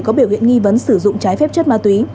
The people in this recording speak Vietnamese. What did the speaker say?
có biểu hiện nghi vấn sử dụng trái phép chất ma túy